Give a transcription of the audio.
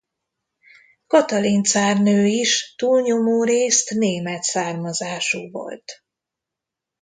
Katalin cárnő is túlnyomórészt német származású volt.